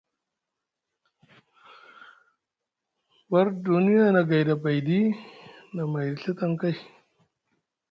War duniya na gayni abayɗi, na mayɗi Ɵa tʼaŋ kay.